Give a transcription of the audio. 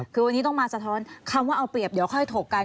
คือวันนี้ต้องมาสะท้อนคำว่าเอาเปรียบเดี๋ยวค่อยถกกัน